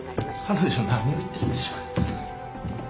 彼女何を言ってるんでしょう？